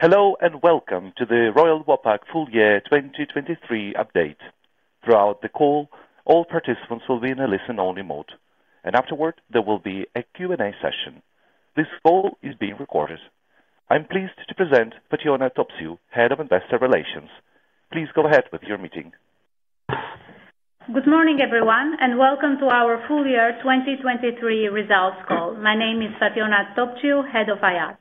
Hello and welcome to the Royal Vopak full-year 2023 update. Throughout the call, all participants will be in a listen-only mode, and afterward there will be a Q&A session. This call is being recorded. I'm pleased to present Fatjona Topciu, Head of Investor Relations. Please go ahead with your meeting. Good morning, everyone, and welcome to our full-year 2023 results call. My name is Fatjona Topciu, Head of IR.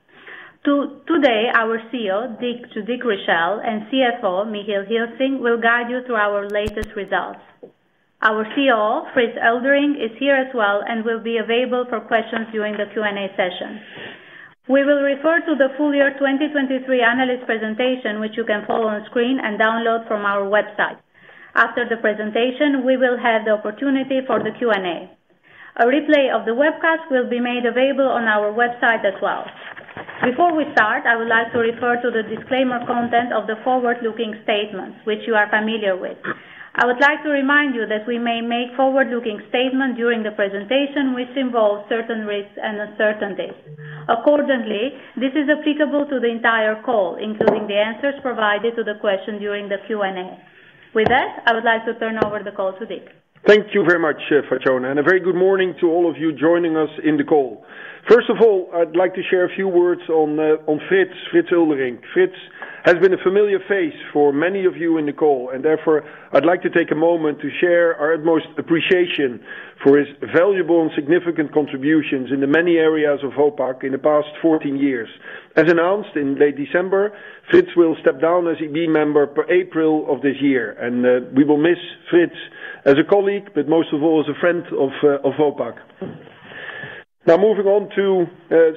Today, our CEO, Dick Richelle, and CFO, Michiel Gilsing, will guide you through our latest results. Our COO, Frits Eulderink, is here as well and will be available for questions during the Q&A session. We will refer to the full-year 2023 analyst presentation, which you can follow on screen and download from our website. After the presentation, we will have the opportunity for the Q&A. A replay of the webcast will be made available on our website as well. Before we start, I would like to refer to the disclaimer content of the forward-looking statements, which you are familiar with. I would like to remind you that we may make forward-looking statements during the presentation, which involve certain risks and uncertainties. Accordingly, this is applicable to the entire call, including the answers provided to the question during the Q&A. With that, I would like to turn over the call to Dick. Thank you very much, Fatjona, and a very good morning to all of you joining us in the call. First of all, I'd like to share a few words on Frits Eulderink. Frits has been a familiar face for many of you in the call, and therefore I'd like to take a moment to share our utmost appreciation for his valuable and significant contributions in the many areas of Vopak in the past 14 years. As announced in late December, Frits will step down as EB member per April of this year, and we will miss Frits as a colleague, but most of all as a friend of Vopak. Now moving on to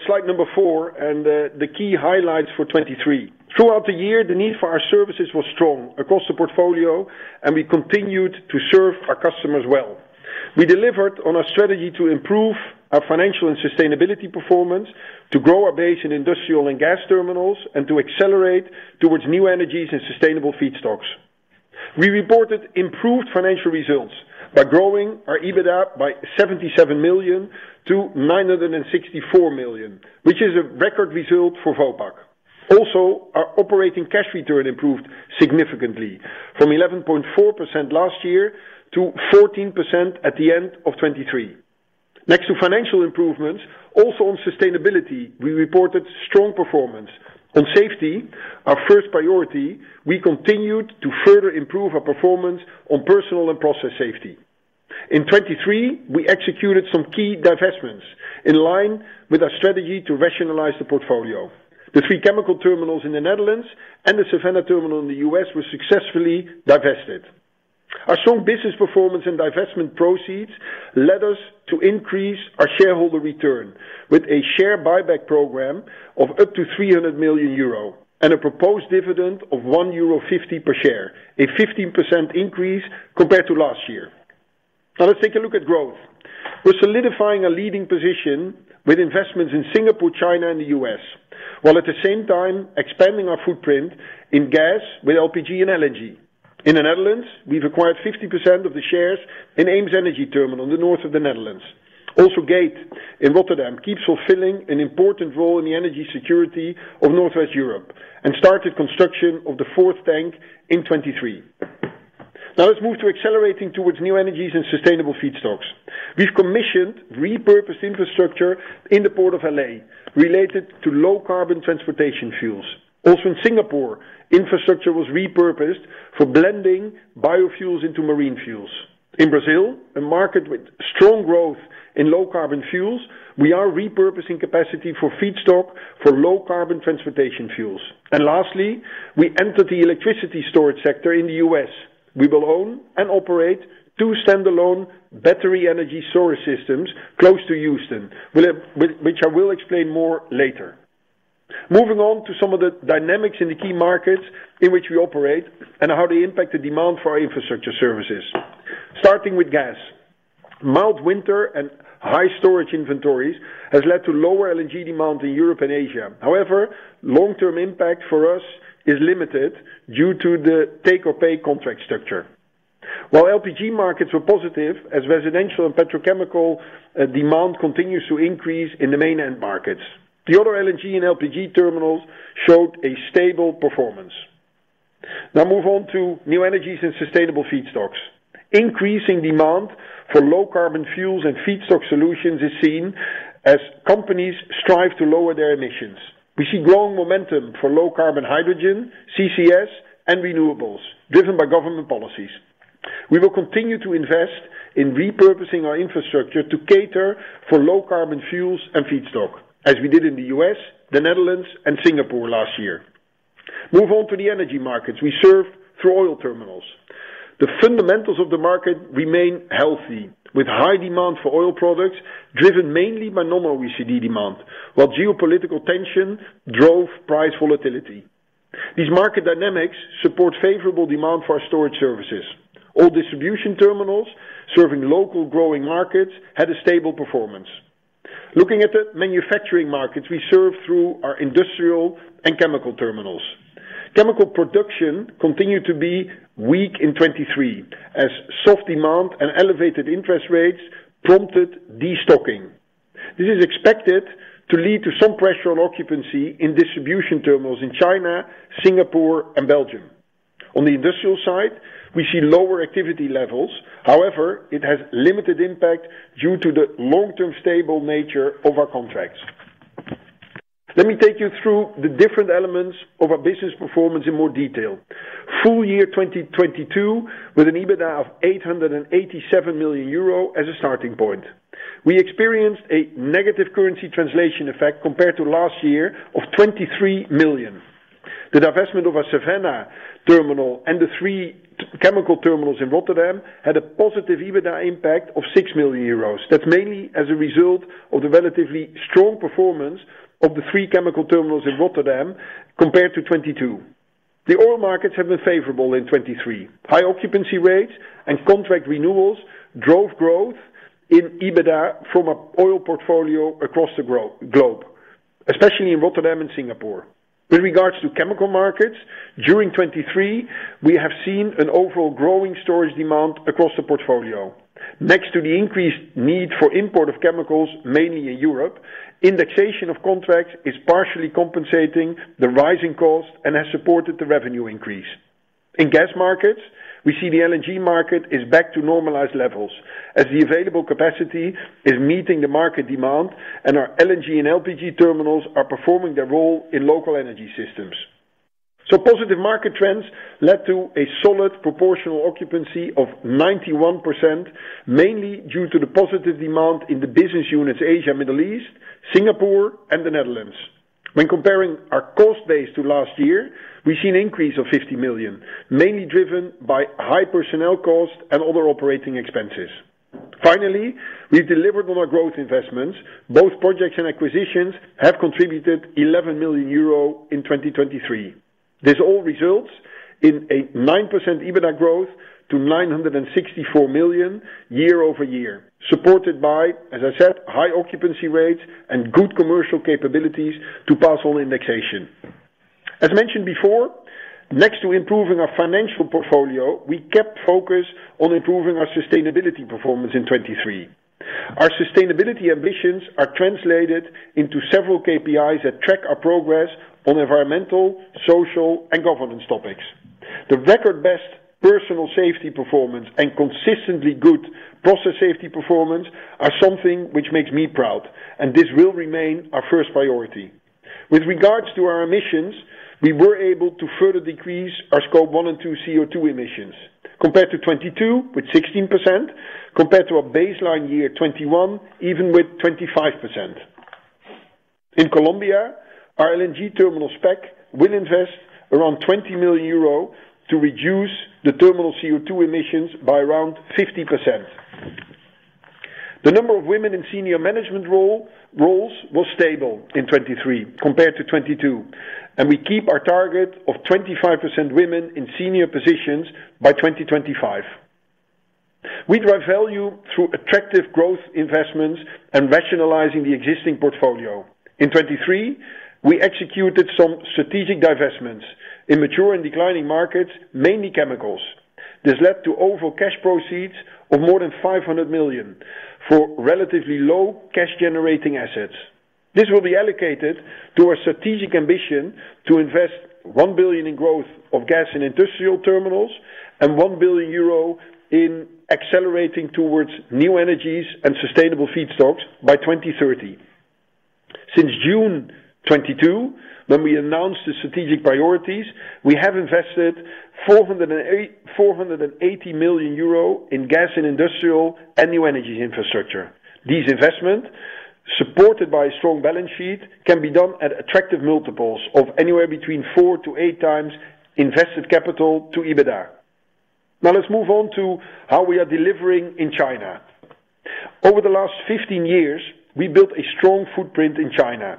slide number four and the key highlights for 2023. Throughout the year, the need for our services was strong across the portfolio, and we continued to serve our customers well. We delivered on our strategy to improve our financial and sustainability performance, to grow our base in Industrial and gas terminals, and to accelerate towards New Energies and Sustainable Feedstocks. We reported improved financial results by growing our EBITDA by 77 million to 964 million, which is a record result for Vopak. Also, our operating cash return improved significantly from 11.4% last year to 14% at the end of 2023. Next to financial improvements, also on sustainability, we reported strong performance. On safety, our first priority, we continued to further improve our performance on personal and process safety. In 2023, we executed some key divestments in line with our strategy to rationalize the portfolio. The three chemical terminals in the Netherlands and the Savannah terminal in the U.S. were successfully divested. Our strong business performance and divestment proceeds led us to increase our shareholder return with a share buyback program of up to 300 million euro and a proposed dividend of 1.50 euro per share, a 15% increase compared to last year. Now let's take a look at growth. We're solidifying our leading position with investments in Singapore, China, and the U.S., while at the same time expanding our footprint in gas with LPG and LNG. In the Netherlands, we've acquired 50% of the shares in EemsEnergyTerminal in the north of the Netherlands. Also, Gate in Rotterdam keeps fulfilling an important role in the energy security of Northwest Europe and started construction of the fourth tank in 2023. Now let's move to accelerating towards New Energies and Sustainable Feedstocks. We've commissioned repurposed infrastructure in the Port of L.A. related to low-carbon transportation fuels. Also in Singapore, infrastructure was repurposed for blending biofuels into marine fuels. In Brazil, a market with strong growth in low-carbon fuels, we are repurposing capacity for feedstock for low-carbon transportation fuels. And lastly, we entered the electricity storage sector in the U.S. We will own and operate two standalone battery energy storage systems close to Houston, which I will explain more later. Moving on to some of the dynamics in the key markets in which we operate and how they impact the demand for our infrastructure services. Starting with gas, mild winter and high storage inventories have led to lower LNG demand in Europe and Asia. However, long-term impact for us is limited due to the take-or-pay contract structure. While LPG markets were positive, as residential and petrochemical demand continues to increase in the main end markets, the other LNG and LPG terminals showed a stable performance. Now move on to New Energies and sustainable Feedstocks. Increasing demand for low-carbon fuels and feedstock solutions is seen as companies strive to lower their emissions. We see growing momentum for low-carbon hydrogen, CCS, and renewables driven by government policies. We will continue to invest in repurposing our infrastructure to cater for low-carbon fuels and feedstock as we did in the U.S., the Netherlands, and Singapore last year. Move on to the energy markets. We serve through oil terminals. The fundamentals of the market remain healthy with high demand for oil products driven mainly by non-OECD demand, while geopolitical tension drove price volatility. These market dynamics support favorable demand for our storage services. All distribution terminals serving local growing markets had a stable performance. Looking at the manufacturing markets, we serve through our Industrial and chemical terminals. Chemical production continued to be weak in 2023 as soft demand and elevated interest rates prompted destocking. This is expected to lead to some pressure on occupancy in distribution terminals in China, Singapore, and Belgium. On the Industrial side, we see lower activity levels. However, it has limited impact due to the long-term stable nature of our contracts. Let me take you through the different elements of our business performance in more detail. Full-year 2022 with an EBITDA of 887 million euro as a starting point. We experienced a negative currency translation effect compared to last year of 23 million. The divestment of our Savannah terminal and the three chemical terminals in Rotterdam had a positive EBITDA impact of 6 million euros. That's mainly as a result of the relatively strong performance of the three chemical terminals in Rotterdam compared to 2022. The oil markets have been favorable in 2023. High occupancy rates and contract renewals drove growth in EBITDA from our oil portfolio across the globe, especially in Rotterdam and Singapore. With regards to chemical markets, during 2023, we have seen an overall growing storage demand across the portfolio. Next to the increased need for import of chemicals mainly in Europe, indexation of contracts is partially compensating the rising cost and has supported the revenue increase. In gas markets, we see the LNG market is back to normalized levels as the available capacity is meeting the market demand and our LNG and LPG terminals are performing their role in local energy systems. Positive market trends led to a solid proportional occupancy of 91% mainly due to the positive demand in the business units Asia, Middle East, Singapore, and the Netherlands. When comparing our cost base to last year, we've seen an increase of 50 million mainly driven by high personnel costs and other operating expenses. Finally, we've delivered on our growth investments. Both projects and acquisitions have contributed 11 million euro in 2023. This all results in a 9% EBITDA growth to 964 million year-over-year, supported by, as I said, high occupancy rates and good commercial capabilities to pass on indexation. As mentioned before, next to improving our financial portfolio, we kept focus on improving our sustainability performance in 2023. Our sustainability ambitions are translated into several KPIs that track our progress on environmental, social, and governance topics. The record best personal safety performance and consistently good process safety performance are something which makes me proud, and this will remain our first priority. With regards to our emissions, we were able to further decrease our Scope one and two CO2 emissions compared to 2022, with 16% compared to our baseline year 2021, even with 25%. In Colombia, our LNG terminal SPEC will invest around 20 million euro to reduce the terminal's CO2 emissions by around 50%. The number of women in senior management roles was stable in 2023 compared to 2022, and we keep our target of 25% women in senior positions by 2025. We drive value through attractive growth investments and rationalizing the existing portfolio. In 2023, we executed some strategic divestments in mature and declining markets, mainly chemicals. This led to overall cash proceeds of more than 500 million for relatively low cash-generating assets. This will be allocated to our strategic ambition to invest 1 billion in growth of gas and Industrial Terminals and 1 billion euro in accelerating towards New Energies and Sustainable Feedstocks by 2030. Since June 2022, when we announced the strategic priorities, we have invested 480 million euro in gas and Industrial and new energy infrastructure. These investments, supported by a strong balance sheet, can be done at attractive multiples of anywhere between 4x-8x invested capital to EBITDA. Now let's move on to how we are delivering in China. Over the last 15 years, we built a strong footprint in China,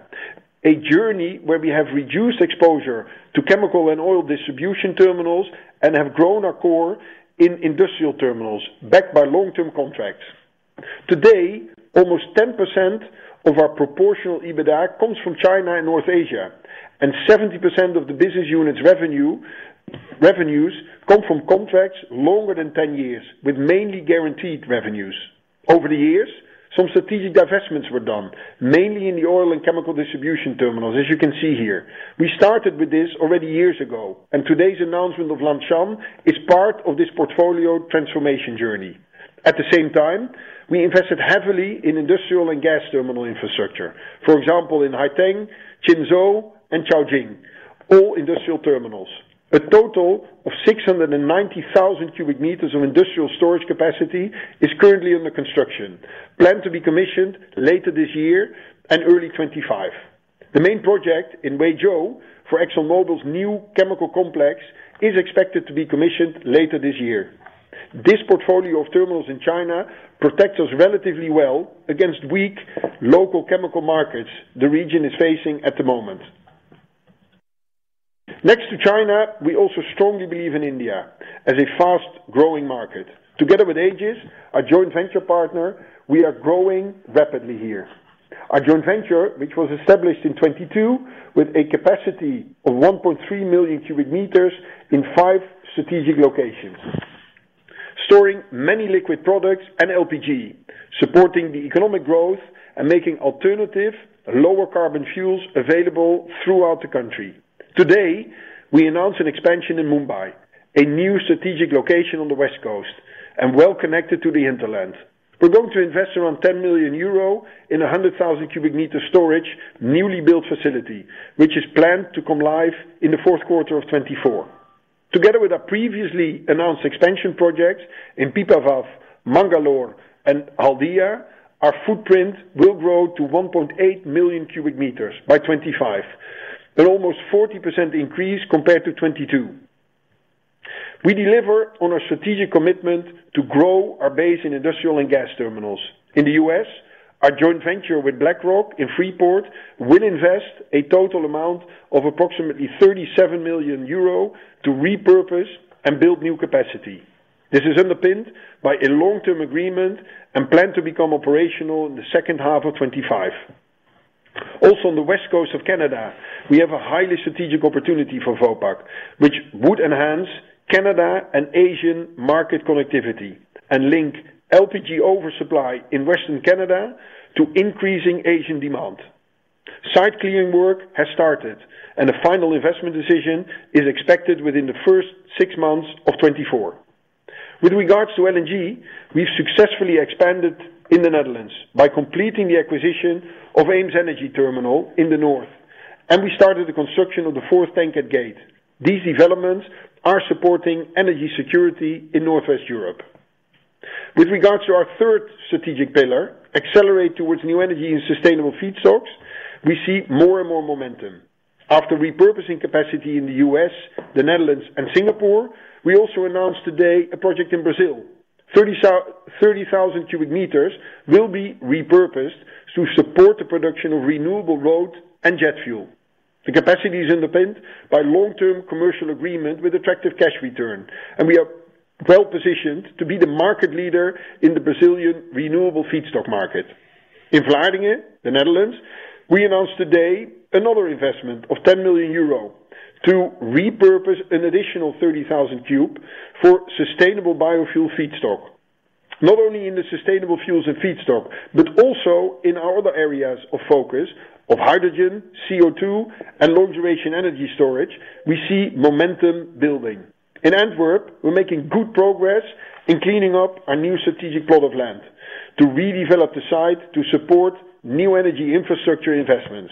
a journey where we have reduced exposure to chemical and oil distribution terminals and have grown our core in Industrial Terminals backed by long-term contracts. Today, almost 10% of our proportional EBITDA comes from China and North Asia, and 70% of the business units' revenues come from contracts longer than 10 years with mainly guaranteed revenues. Over the years, some strategic divestments were done, mainly in the oil and chemical distribution terminals, as you can see here. We started with this already years ago, and today's announcement of Lanshan is part of this portfolio transformation journey. At the same time, we invested heavily in Industrial and gas terminal infrastructure, for example, in Haicang, Qinzhou, and Caojing, all Industrial Terminals. A total of 690,000 cubic meters of Industrial storage capacity is currently under construction, planned to be commissioned later this year and early 2025. The main project in Huizhou for ExxonMobil's new chemical complex is expected to be commissioned later this year. This portfolio of terminals in China protects us relatively well against weak local chemical markets the region is facing at the moment. Next to China, we also strongly believe in India as a fast-growing market. Together with Aegis, our joint venture partner, we are growing rapidly here. Our joint venture, which was established in 2022 with a capacity of 1.3 million cubic meters in five strategic locations, is storing many liquid products and LPG, supporting the economic growth, and making alternative, lower-carbon fuels available throughout the country. Today, we announced an expansion in Mumbai, a new strategic location on the West Coast, and well-connected to the hinterland. We're going to invest around 10 million euro in a 100,000 cubic meters storage newly built facility, which is planned to come live in the fourth quarter of 2024. Together with our previously announced expansion projects in Pipavav, Mangalore, and Haldia, our footprint will grow to 1.8 million cubic meters by 2025, an almost 40% increase compared to 2022. We deliver on our strategic commitment to grow our base in Industrial and gas terminals. In the U.S., our joint venture with BlackRock in Freeport will invest a total amount of approximately 37 million euro to repurpose and build new capacity. This is underpinned by a long-term agreement and planned to become operational in the second half of 2025. Also, on the West Coast of Canada, we have a highly strategic opportunity for Vopak, which would enhance Canada and Asian market connectivity and link LPG oversupply in western Canada to increasing Asian demand. Site clearing work has started, and a final investment decision is expected within the first six months of 2024. With regards to LNG, we've successfully expanded in the Netherlands by completing the acquisition of EemsEnergyTerminal in the north, and we started the construction of the fourth tank at Gate. These developments are supporting energy security in northwest Europe. With regards to our third strategic pillar, accelerate towards new energy and sustainable feedstocks, we see more and more momentum. After repurposing capacity in the U.S., the Netherlands, and Singapore, we also announced today a project in Brazil. 30,000 cubic meters will be repurposed to support the production of renewable road and jet fuel. The capacity is underpinned by a long-term commercial agreement with attractive cash return, and we are well positioned to be the market leader in the Brazilian renewable feedstock market. In Vlaardingen, the Netherlands, we announced today another investment of 10 million euro to repurpose an additional 30,000 cubic meters for sustainable biofuel feedstock. Not only in the sustainable fuels and feedstock, but also in our other areas of focus of hydrogen, CO2, and long-duration energy storage, we see momentum building. In Antwerp, we're making good progress in cleaning up our new strategic plot of land to redevelop the site to support new energy infrastructure investments.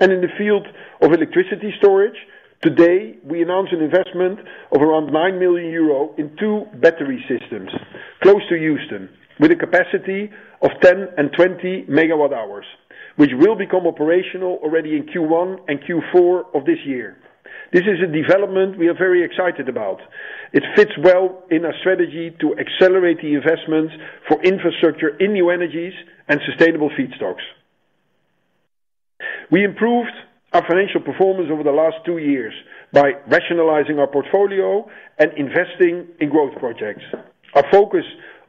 In the field of electricity storage, today we announced an investment of around 9 million euro in two battery systems close to Houston with a capacity of 10 MWh and 20 MWh, which will become operational already in Q1 and Q4 of this year. This is a development we are very excited about. It fits well in our strategy to accelerate the investments for infrastructure in New Energies and Sustainable Feedstocks. We improved our financial performance over the last two years by rationalizing our portfolio and investing in growth projects. Our focus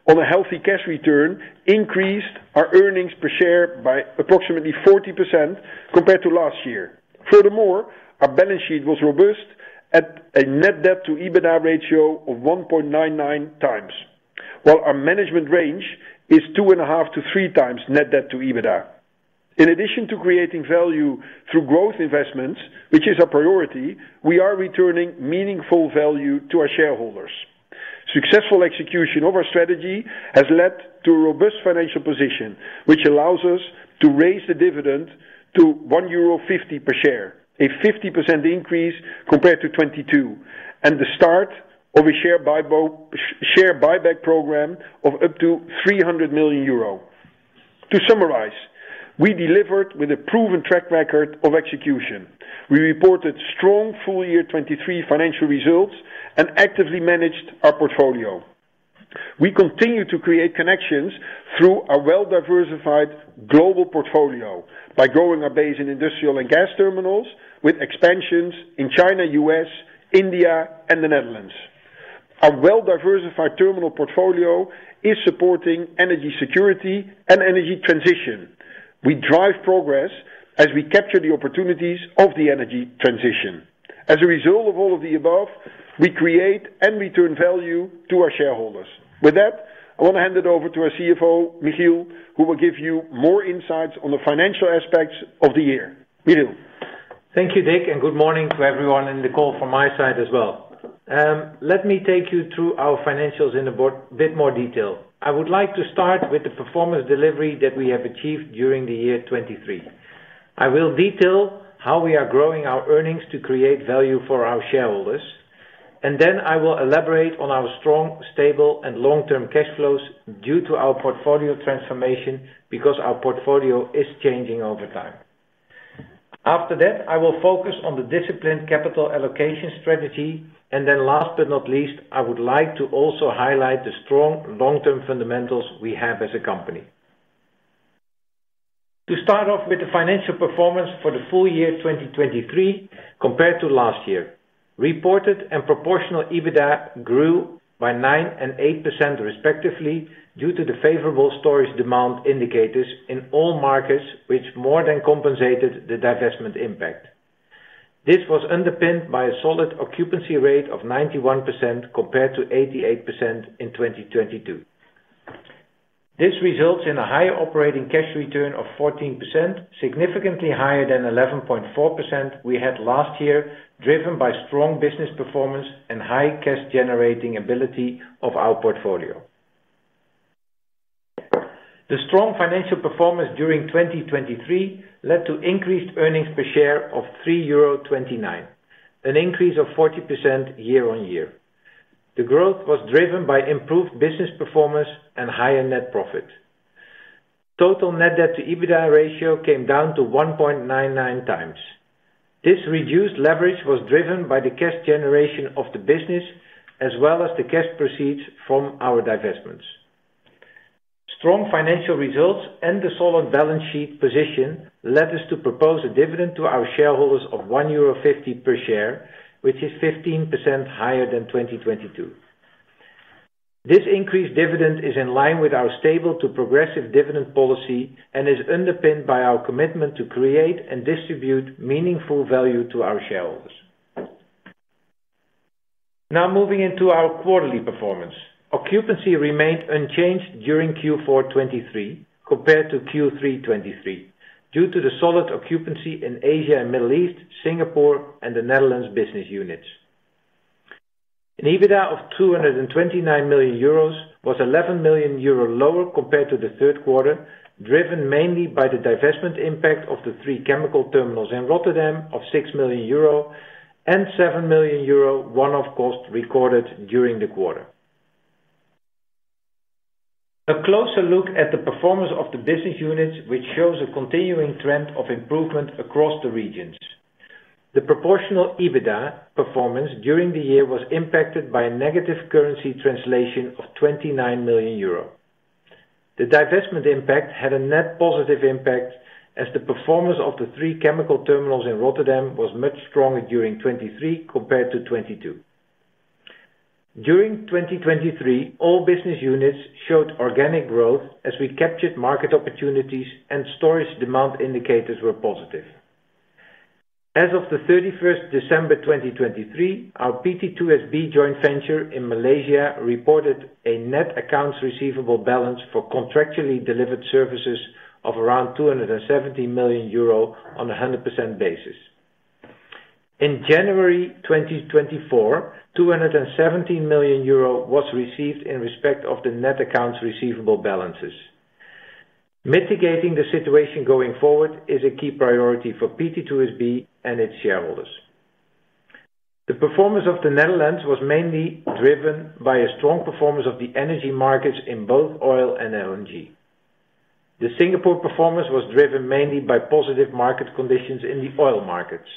on a healthy cash return increased our earnings per share by approximately 40% compared to last year. Furthermore, our balance sheet was robust at a net debt-to-EBITDA ratio of 1.99x, while our management range is 2.5x-3x net debt-to-EBITDA. In addition to creating value through growth investments, which is our priority, we are returning meaningful value to our shareholders. Successful execution of our strategy has led to a robust financial position, which allows us to raise the dividend to 1.50 euro per share, a 50% increase compared to 2022, and the start of a share buyback program of up to 300 million euro. To summarize, we delivered with a proven track record of execution. We reported strong full-year 2023 financial results and actively managed our portfolio. We continue to create connections through our well-diversified global portfolio by growing our base in Industrial and gas terminals with expansions in China, U.S., India, and the Netherlands. Our well-diversified terminal portfolio is supporting energy security and energy transition. We drive progress as we capture the opportunities of the energy transition. As a result of all of the above, we create and return value to our shareholders. With that, I want to hand it over to our CFO, Michiel, who will give you more insights on the financial aspects of the year. Michiel. Thank you, Dick, and good morning to everyone in the call from my side as well. Let me take you through our financials in a bit more detail. I would like to start with the performance delivery that we have achieved during the year 2023. I will detail how we are growing our earnings to create value for our shareholders, and then I will elaborate on our strong, stable, and long-term cash flows due to our portfolio transformation because our portfolio is changing over time. After that, I will focus on the disciplined capital allocation strategy, and then last but not least, I would like to also highlight the strong long-term fundamentals we have as a company. To start off with the financial performance for the full-year 2023 compared to last year, reported and proportional EBITDA grew by 9% and 8% respectively, due to the favorable storage demand indicators in all markets, which more than compensated the divestment impact. This was underpinned by a solid occupancy rate of 91% compared to 88% in 2022. This results in a higher operating cash return of 14%, significantly higher than 11.4% we had last year, driven by strong business performance and high cash-generating ability of our portfolio. The strong financial performance during 2023 led to increased earnings per share of 3.29 euro, an increase of 40% year-on-year. The growth was driven by improved business performance and higher net profit. Total net debt-to-EBITDA ratio came down to 1.99x. This reduced leverage was driven by the cash-generation of the business as well as the cash proceeds from our divestments. Strong financial results and the solid balance sheet position led us to propose a dividend to our shareholders of 1.50 euro per share, which is 15% higher than 2022. This increased dividend is in line with our stable-to-progressive dividend policy and is underpinned by our commitment to create and distribute meaningful value to our shareholders. Now moving into our quarterly performance. Occupancy remained unchanged during Q4 2023 compared to Q3 2023 due to the solid occupancy in Asia and Middle East, Singapore, and the Netherlands business units. An EBITDA of 229 million euros was 11 million euro lower compared to the third quarter, driven mainly by the divestment impact of the three chemical terminals in Rotterdam of 6 million euro and 7 million euro one-off cost recorded during the quarter. A closer look at the performance of the business units, which shows a continuing trend of improvement across the regions. The proportional EBITDA performance during the year was impacted by a negative currency translation of 29 million euro. The divestment impact had a net positive impact as the performance of the three chemical terminals in Rotterdam was much stronger during 2023 compared to 2022. During 2023, all business units showed organic growth as we captured market opportunities and storage demand indicators were positive. As of the 31st December 2023, our PT2SB joint venture in Malaysia reported a net accounts receivable balance for contractually delivered services of around 270 million euro on a 100% basis. In January 2024, 217 million euro was received in respect of the net accounts receivable balances. Mitigating the situation going forward is a key priority for PT2SB and its shareholders. The performance of the Netherlands was mainly driven by a strong performance of the energy markets in both oil and LNG. The Singapore performance was driven mainly by positive market conditions in the oil markets.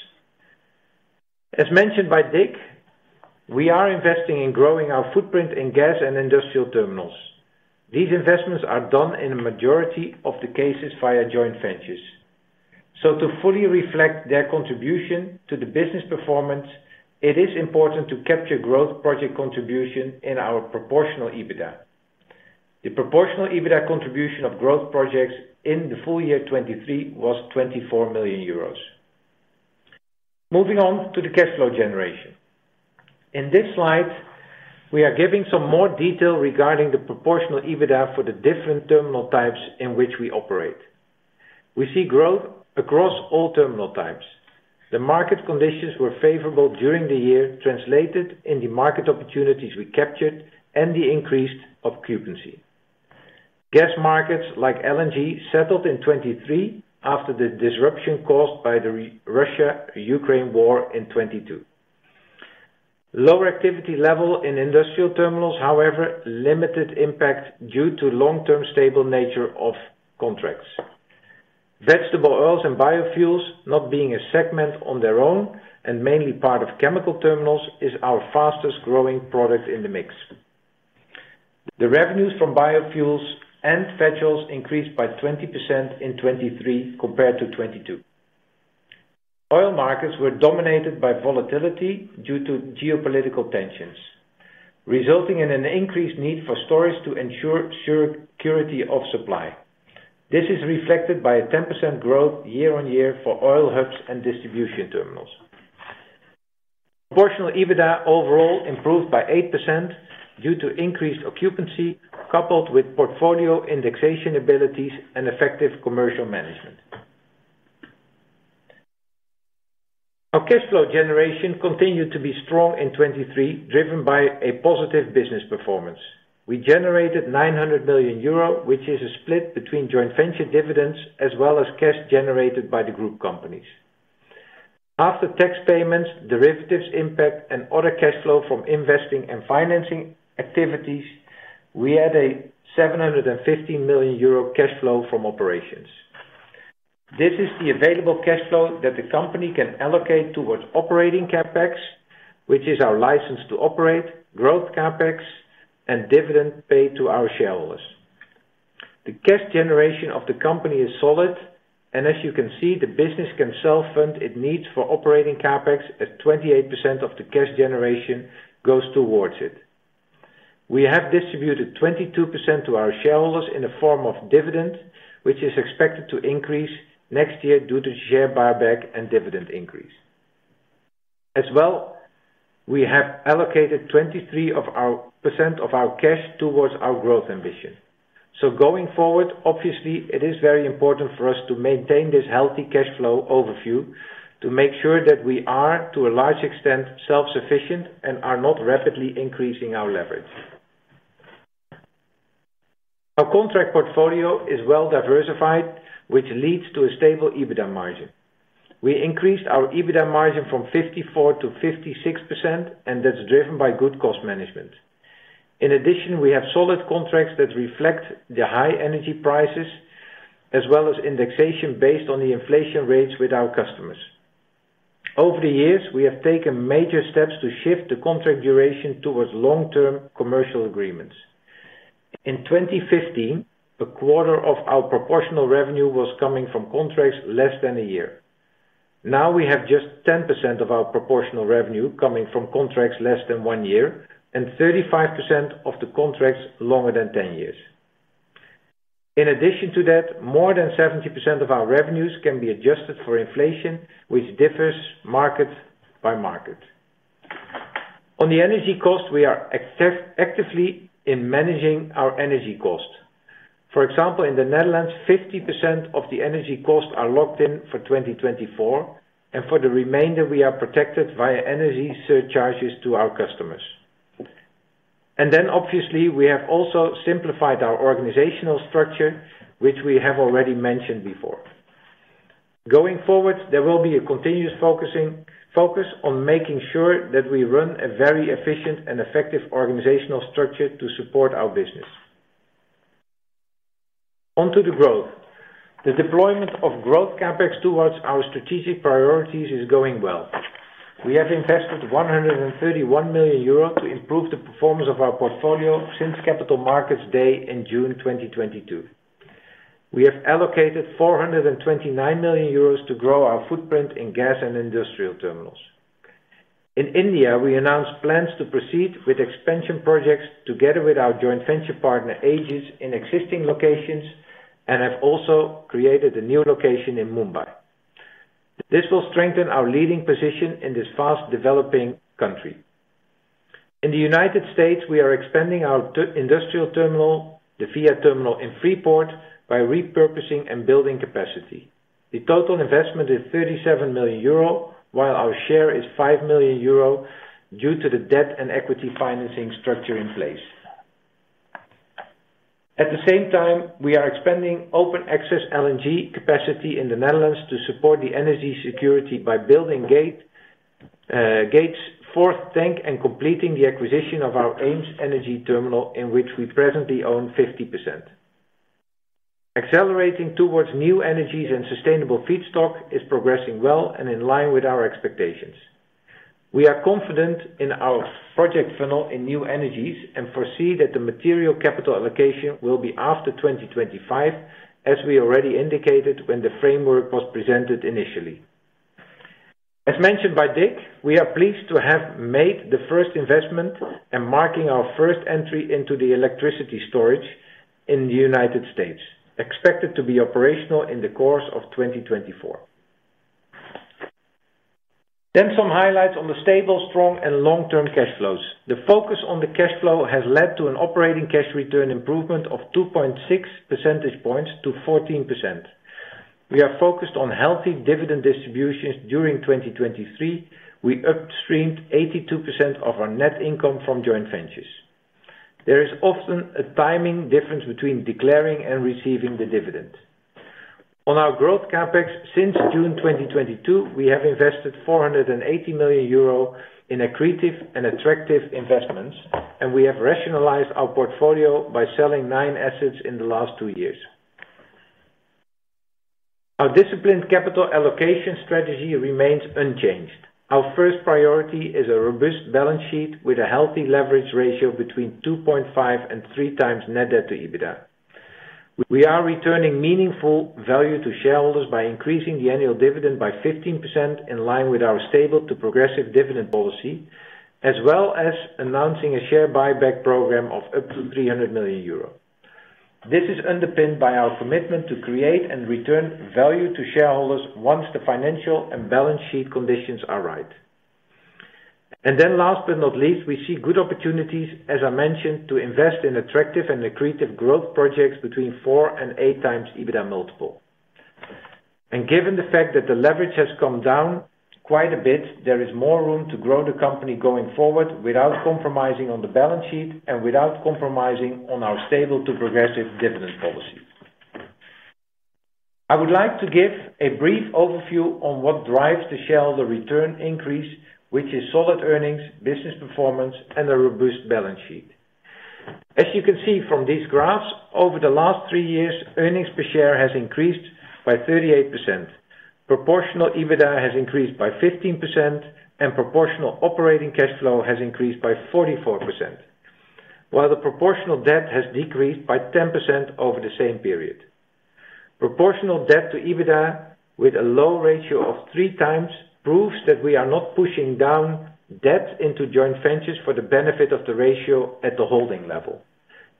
As mentioned by Dick, we are investing in growing our footprint in gas and Industrial terminals. These investments are done in a majority of the cases via joint ventures. So to fully reflect their contribution to the business performance, it is important to capture growth project contribution in our proportional EBITDA. The proportional EBITDA contribution of growth projects in the full-year 2023 was 24 million euros. Moving on to the cash flow generation. In this slide, we are giving some more detail regarding the proportional EBITDA for the different terminal types in which we operate. We see growth across all terminal types. The market conditions were favorable during the year, translated in the market opportunities we captured and the increased occupancy. Gas markets like LNG settled in 2023 after the disruption caused by the Russia-Ukraine war in 2022. Lower activity level in Industrial Terminals, however, limited impact due to long-term stable nature of contracts. Vegetable oils and biofuels, not being a segment on their own and mainly part of chemical terminals, is our fastest growing product in the mix. The revenues from biofuels and vegetables increased by 20% in 2023 compared to 2022. Oil markets were dominated by volatility due to geopolitical tensions, resulting in an increased need for storage to ensure security of supply. This is reflected by a 10% growth year-on-year for oil hubs and distribution terminals. Proportional EBITDA overall improved by 8% due to increased occupancy, coupled with portfolio indexation abilities and effective commercial management. Our cash flow generation continued to be strong in 2023, driven by a positive business performance. We generated 900 million euro, which is a split between joint venture dividends as well as cash generated by the group companies. After tax payments, derivatives impact, and other cash flow from investing and financing activities, we had a 715 million euro cash flow from operations. This is the available cash flow that the company can allocate towards operating CapEx, which is our license to operate, growth CapEx, and dividends paid to our shareholders. The cash generation of the company is solid, and as you can see, the business can self-fund it needs for operating CapEx, as 28% of the cash generation goes towards it. We have distributed 22% to our shareholders in the form of dividends, which is expected to increase next year due to share buyback and dividend increase. As well, we have allocated 23% of our cash towards our growth ambition. Going forward, obviously, it is very important for us to maintain this healthy cash flow overview to make sure that we are, to a large extent, self-sufficient and are not rapidly increasing our leverage. Our contract portfolio is well diversified, which leads to a stable EBITDA margin. We increased our EBITDA margin from 54%-56%, and that's driven by good cost management. In addition, we have solid contracts that reflect the high energy prices as well as indexation based on the inflation rates with our customers. Over the years, we have taken major steps to shift the contract duration towards long-term commercial agreements. In 2015, a quarter of our proportional revenue was coming from contracts less than a year. Now we have just 10% of our proportional revenue coming from contracts less than one year and 35% of the contracts longer than 10 years. In addition to that, more than 70% of our revenues can be adjusted for inflation, which differs market by market. On the energy cost, we are actively in managing our energy cost. For example, in the Netherlands, 50% of the energy cost are locked in for 2024, and for the remainder, we are protected via energy surcharges to our customers. Then, obviously, we have also simplified our organizational structure, which we have already mentioned before. Going forward, there will be a continuous focus on making sure that we run a very efficient and effective organizational structure to support our business. Onto the growth. The deployment of growth CapEx towards our strategic priorities is going well. We have invested 131 million euros to improve the performance of our portfolio since Capital Markets Day in June 2022. We have allocated 429 million euros to grow our footprint in gas and Industrial Terminals. In India, we announced plans to proceed with expansion projects together with our joint venture partner Aegis in existing locations and have also created a new location in Mumbai. This will strengthen our leading position in this fast-developing country. In the United States, we are expanding our Industrial Terminal, the VIIA terminal in Freeport, by repurposing and building capacity. The total investment is 37 million euro, while our share is 5 million euro due to the debt and equity financing structure in place. At the same time, we are expanding open access LNG capacity in the Netherlands to support the energy security by building GATE IV tank and completing the acquisition of our EemsEnergyTerminal, in which we presently own 50%. Accelerating towards new energies and sustainable feedstock is progressing well and in line with our expectations. We are confident in our project funnel in new energies and foresee that the material capital allocation will be after 2025, as we already indicated when the framework was presented initially. As mentioned by Dick, we are pleased to have made the first investment and marking our first entry into the electricity storage in the United States, expected to be operational in the course of 2024. Then some highlights on the stable, strong, and long-term cash flows. The focus on the cash flow has led to an operating cash return improvement of 2.6 percentage points to 14%. We are focused on healthy dividend distributions during 2023. We upstreamed 82% of our net income from joint ventures. There is often a timing difference between declaring and receiving the dividend. On our growth CapEx, since June 2022, we have invested 480 million euro in accretive and attractive investments, and we have rationalized our portfolio by selling nine assets in the last two years. Our disciplined capital allocation strategy remains unchanged. Our first priority is a robust balance sheet with a healthy leverage ratio between 2.5x-3x net debt-to-EBITDA. We are returning meaningful value to shareholders by increasing the annual dividend by 15% in line with our stable-to-progressive dividend policy, as well as announcing a share buyback program of up to 300 million euro. This is underpinned by our commitment to create and return value to shareholders once the financial and balance sheet conditions are right. And then last but not least, we see good opportunities, as I mentioned, to invest in attractive and accretive growth projects between 4x-8x EBITDA multiple. And given the fact that the leverage has come down quite a bit, there is more room to grow the company going forward without compromising on the balance sheet and without compromising on our stable-to-progressive dividend policy. I would like to give a brief overview on what drives the shareholder return increase, which is solid earnings, business performance, and a robust balance sheet. As you can see from these graphs, over the last three years, earnings per share has increased by 38%, proportional EBITDA has increased by 15%, and proportional operating cash flow has increased by 44%, while the proportional debt has decreased by 10% over the same period. Proportional debt-to-EBITDA with a low ratio of 3x proves that we are not pushing down debt into joint ventures for the benefit of the ratio at the holding level.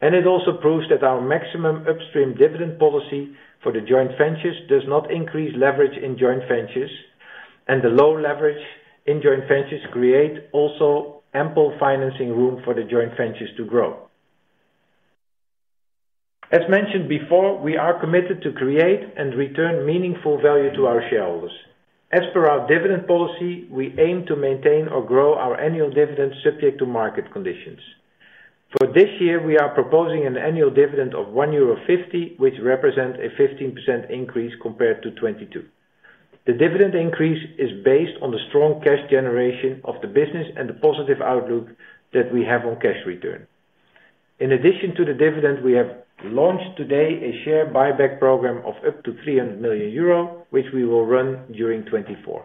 It also proves that our maximum upstream dividend policy for the joint ventures does not increase leverage in joint ventures, and the low leverage in joint ventures creates also ample financing room for the joint ventures to grow. As mentioned before, we are committed to create and return meaningful value to our shareholders. As per our dividend policy, we aim to maintain or grow our annual dividend subject to market conditions. For this year, we are proposing an annual dividend of 1.50 euro, which represents a 15% increase compared to 2022. The dividend increase is based on the strong cash generation of the business and the positive outlook that we have on cash return. In addition to the dividend, we have launched today a share buyback program of up to 300 million euro, which we will run during 2024.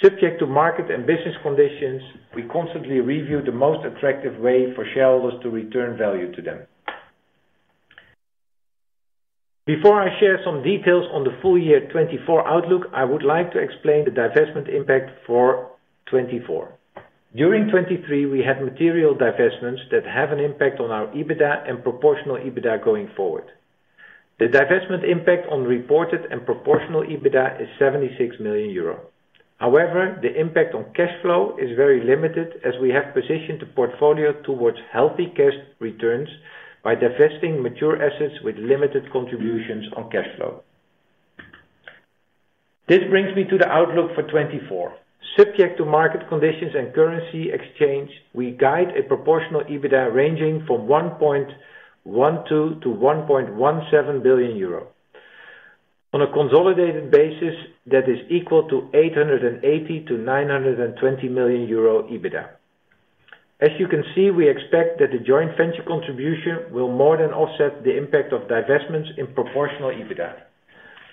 Subject to market and business conditions, we constantly review the most attractive way for shareholders to return value to them. Before I share some details on the full-year 2024 outlook, I would like to explain the divestment impact for 2024. During 2023, we had material divestments that have an impact on our EBITDA and proportional EBITDA going forward. The divestment impact on reported and proportional EBITDA is EUR 76 million. However, the impact on cash flow is very limited, as we have positioned the portfolio towards healthy cash returns by divesting mature assets with limited contributions on cash flow. This brings me to the outlook for 2024. Subject to market conditions and currency exchange, we guide a proportional EBITDA ranging from 1.12 billion-1.17 billion euro, on a consolidated basis that is equal to 880-920 million euro EBITDA. As you can see, we expect that the joint venture contribution will more than offset the impact of divestments in proportional EBITDA.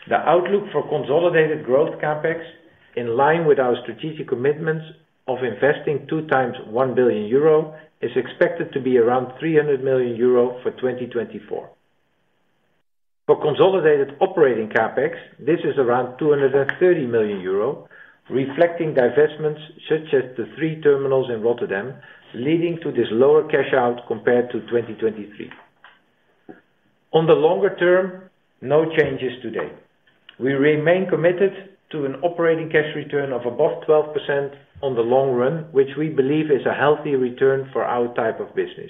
The outlook for consolidated growth CapEx, in line with our strategic commitments of investing 2 times 1 billion euro, is expected to be around 300 million euro for 2024. For consolidated operating CapEx, this is around 230 million euro, reflecting divestments such as the three terminals in Rotterdam, leading to this lower cash out compared to 2023. On the longer-term, no changes today. We remain committed to an operating cash return of above 12% on the long run, which we believe is a healthy return for our type of business.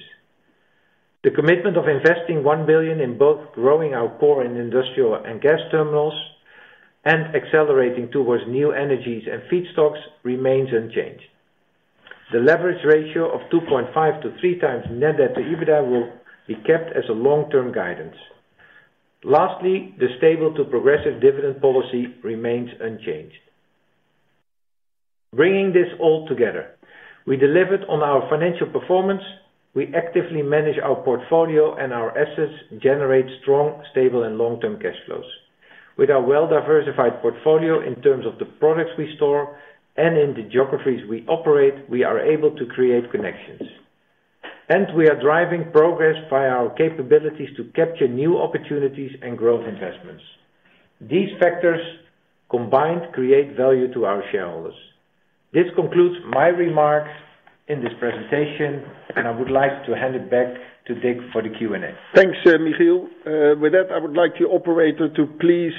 The commitment of investing 1 billion in both growing our core and Industrial and gas terminals and accelerating towards new energies and feedstocks remains unchanged. The leverage ratio of 2.5x-3x net debt-to-EBITDA will be kept as a long-term guidance. Lastly, the stable-to-progressive dividend policy remains unchanged. Bringing this all together, we delivered on our financial performance. We actively manage our portfolio, and our assets generate strong, stable, and long-term cash flows. With our well-diversified portfolio in terms of the products we store and in the geographies we operate, we are able to create connections. We are driving progress via our capabilities to capture new opportunities and growth investments. These factors combined create value to our shareholders. This concludes my remarks in this presentation, and I would like to hand it back to Dick for the Q&A. Thanks, Michiel. With that, I would like the operator to please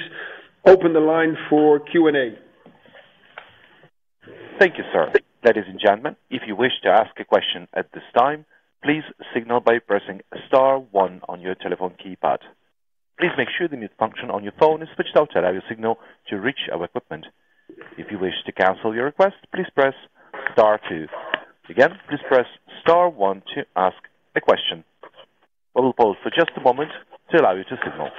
open the line for Q&A. Thank you, sir. Ladies and gentlemen, if you wish to ask a question at this time, please signal by pressing star one on your telephone keypad. Please make sure the mute function on your phone is switched out to allow your signal to reach our equipment. If you wish to cancel your request, please press star two. Again, please press star one to ask a question. I will pause for just a moment to allow you to signal.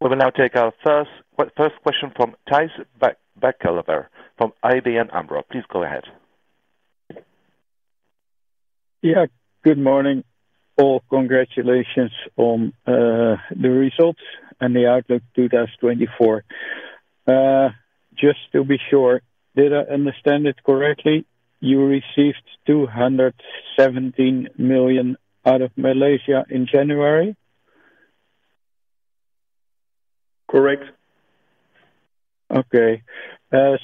We will now take our first question from Thijs Berkelder from ABN AMRO. Please go ahead. Yeah. Good morning all. Congratulations on the results and the 2024 outlook. Just to be sure, did I understand it correctly? You received 217 million out of Malaysia in January. Correct. Okay. Yes.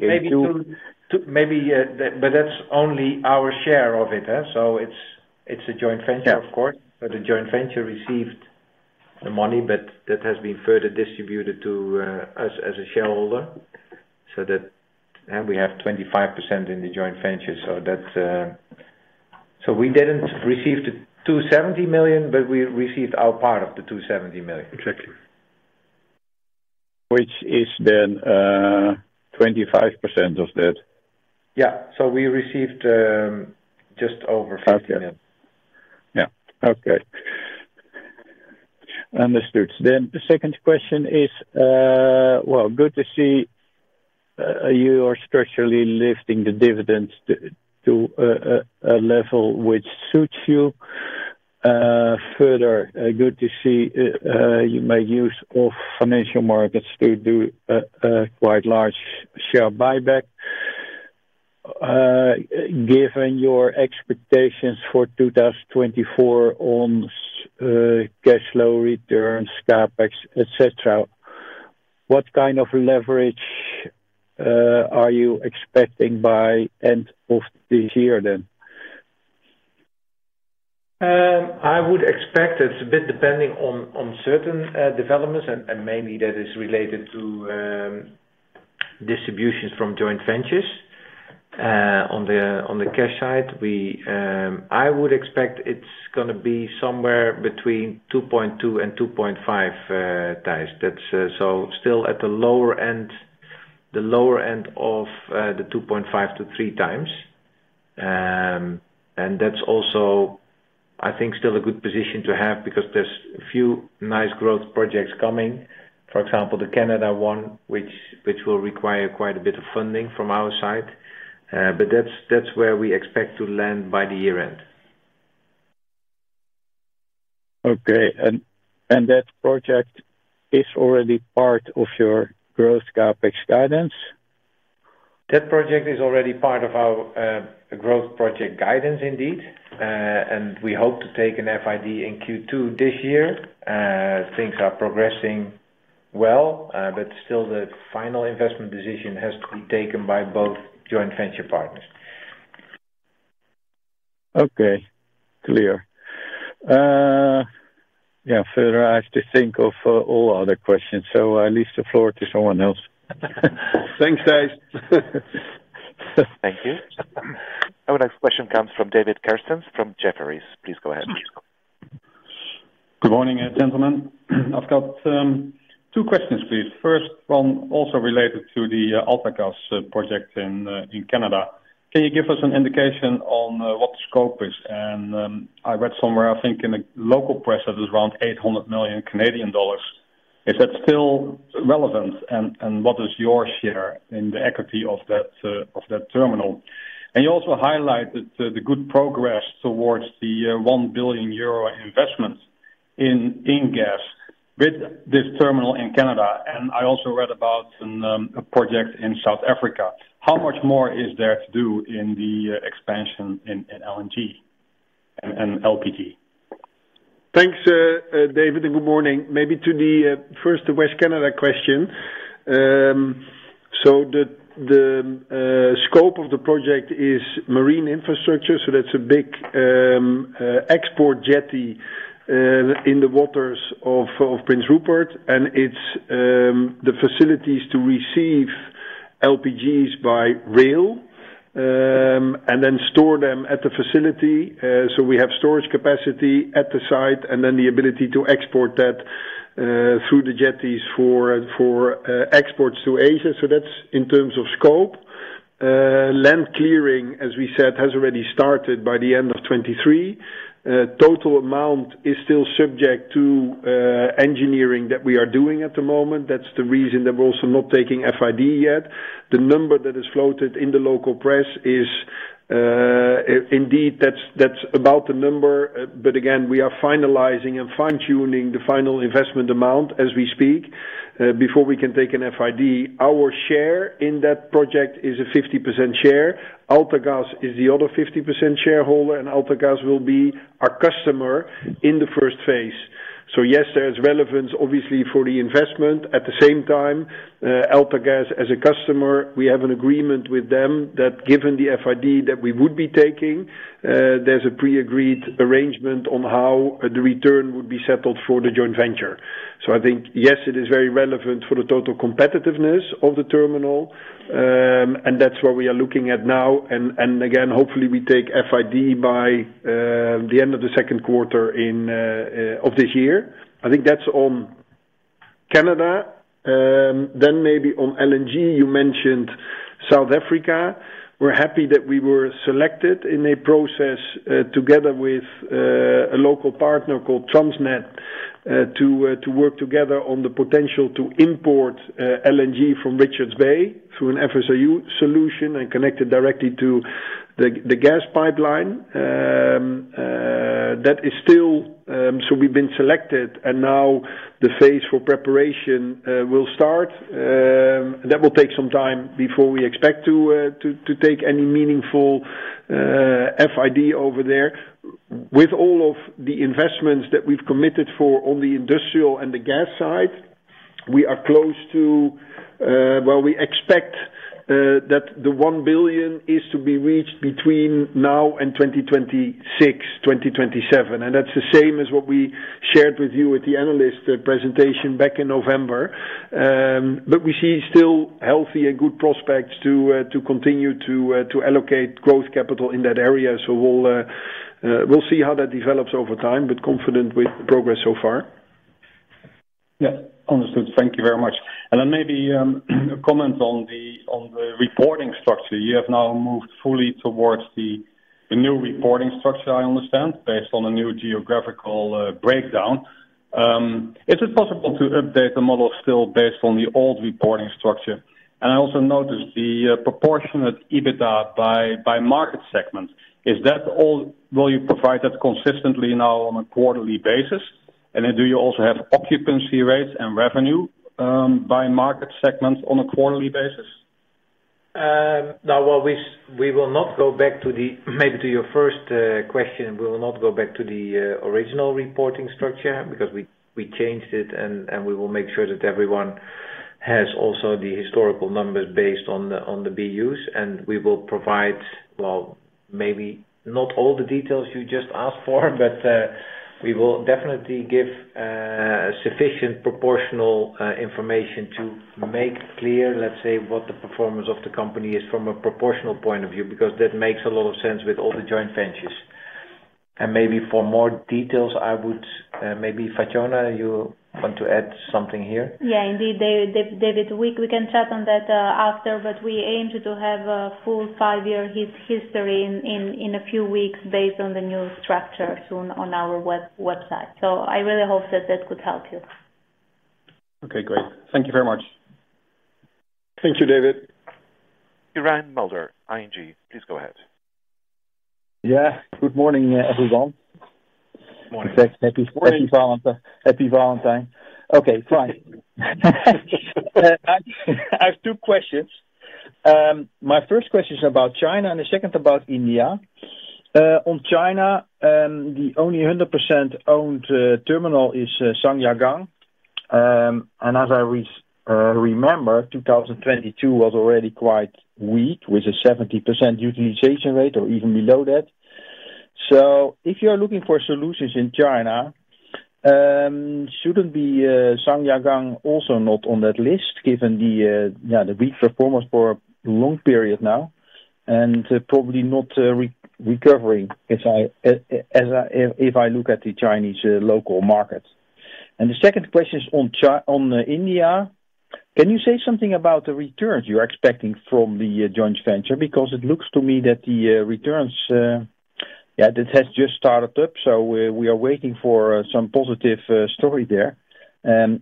Me too, maybe, but that's only our share of it, huh? So it's a joint venture, of course. So the joint venture received the money, but that has been further distributed to us as a shareholder. So we have 25% in the joint venture. So we didn't receive the 270 million, but we received our part of the 270 million. Exactly. Which is then 25% of that. Yeah. So we received just over 50 million. Yeah. Okay. Understood. The second question is, well, good to see you are structurally lifting the dividends to a level which suits you. Further, good to see you make use of financial markets to do a quite large share buyback. Given your expectations for 2024 on cash flow returns, CapEx, etc., what kind of leverage are you expecting by the end of this year then? I would expect it's a bit depending on certain developments, and mainly that is related to distributions from joint ventures. On the cash side, I would expect it's going to be somewhere between 2.2x and 2.5x. So still at the lower end of the 2.5x-3x. And that's also, I think, still a good position to have because there's a few nice growth projects coming. For example, the Canada one, which will require quite a bit of funding from our side. But that's where we expect to land by the year-end. Okay. And that project is already part of your growth CapEx guidance? That project is already part of our growth project guidance, indeed. And we hope to take an FID in Q2 this year. Things are progressing well, but still, the final investment decision has to be taken by both joint venture partners. Okay. Clear. Yeah. Further, I have to think of all other questions, so I leave the floor to someone else. Thanks, Thijs. Thank you. Our next question comes from David Kerstens from Jefferies. Please go ahead. Good morning, gentlemen. I've got two questions, please. First one also related to the AltaGas project in Canada. Can you give us an indication on what the scope is? And I read somewhere, I think, in the local press, that it's around 800 million Canadian dollars. Is that still relevant, and what is your share in the equity of that terminal? And you also highlighted the good progress towards the 1 billion euro investment in gas with this terminal in Canada. And I also read about a project in South Africa. How much more is there to do in the expansion in LNG and LPG? Thanks, David, and good morning. Maybe to the first West Canada question. So the scope of the project is marine infrastructure, so that's a big export jetty in the waters of Prince Rupert. And it's the facilities to receive LPGs by rail and then store them at the facility. So we have storage capacity at the site and then the ability to export that through the jetties for exports to Asia. So that's in terms of scope. Land clearing, as we said, has already started by the end of 2023. Total amount is still subject to engineering that we are doing at the moment. That's the reason that we're also not taking FID yet. The number that is floated in the local press is indeed, that's about the number. But again, we are finalizing and fine-tuning the final investment amount as we speak before we can take an FID. Our share in that project is a 50% share. AltaGas is the other 50% shareholder, and AltaGas will be our customer in the first phase. So yes, there is relevance, obviously, for the investment. At the same time, AltaGas, as a customer, we have an agreement with them that given the FID that we would be taking, there's a pre-agreed arrangement on how the return would be settled for the joint venture. So I think, yes, it is very relevant for the total competitiveness of the terminal, and that's what we are looking at now. And again, hopefully, we take FID by the end of the second quarter of this year. I think that's on Canada. Then maybe on LNG, you mentioned South Africa. We're happy that we were selected in a process together with a local partner called Transnet to work together on the potential to import LNG from Richards Bay through an FSRU solution and connect it directly to the gas pipeline. That is still so we've been selected, and now the phase for preparation will start. That will take some time before we expect to take any meaningful FID over there. With all of the investments that we've committed for on the Industrial and the gas side, we are close to well, we expect that the 1 billion is to be reached between now and 2026, 2027. And that's the same as what we shared with you at the analyst presentation back in November. But we see still healthy and good prospects to continue to allocate growth capital in that area. So we'll see how that develops over time, but confident with the progress so far. Yes. Understood. Thank you very much. And then maybe a comment on the reporting structure. You have now moved fully towards the new reporting structure, I understand, based on a new geographical breakdown. Is it possible to update the model still based on the old reporting structure? And I also noticed the proportionate EBITDA by market segment. Will you provide that consistently now on a quarterly basis? And then do you also have occupancy rates and revenue by market segment on a quarterly basis? Now, well, we will not go back to the maybe to your first question, we will not go back to the original reporting structure because we changed it, and we will make sure that everyone has also the historical numbers based on the BUs. And we will provide, well, maybe not all the details you just asked for, but we will definitely give sufficient proportional information to make clear, let's say, what the performance of the company is from a proportional point of view because that makes a lot of sense with all the joint ventures. And maybe for more details, I would maybe, Fatjona, you want to add something here? Yeah. Indeed, David, we can chat on that after, but we aim to have a full five-year history in a few weeks based on the new structure soon on our website. So I really hope that that could help you. Okay. Great. Thank you very much. Thank you, David. Quirijn Mulder, ING. Please go ahead. Yeah. Good morning, everyone. Good morning. Perfect. Happy Valentine. Okay. Fine. I have two questions. My first question is about China and the second about India. On China, the only 100% owned terminal is Zhangjiagang. And as I remember, 2022 was already quite weak with a 70% utilization rate or even below that. So if you are looking for solutions in China, shouldn't Zhangjiagang also not be on that list given the weak performance for a long period now and probably not recovering if I look at the Chinese local market? The second question is on India. Can you say something about the returns you are expecting from the joint venture? Because it looks to me that the returns yeah, that has just started up. So we are waiting for some positive story there.